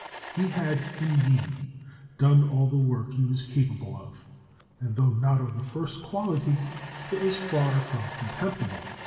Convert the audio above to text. He had, indeed, done all the work he was capable of; and though not of the first quality, it was far from contemptible.